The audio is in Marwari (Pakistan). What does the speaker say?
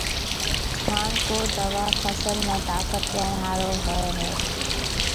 هانَ ڪو دوا فصل نَي طاقت ڏيڻ هارون هوئي هيَ۔